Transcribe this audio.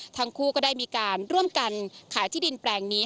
ทั้งคู่ก็ได้มีการร่วมกันขายที่ดินแปลงนี้